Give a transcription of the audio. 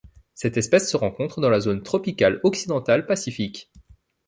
Cette espèce se rencontre dans la zone tropicale occidentale pacifique.